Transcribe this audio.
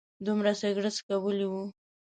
دومره سګرټ څکولي و.